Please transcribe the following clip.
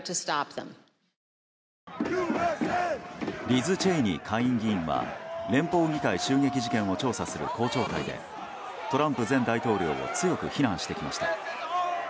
リズ・チェイニー下院議員は連邦議会襲撃事件を調査する公聴会で、トランプ前大統領を強く非難してきました。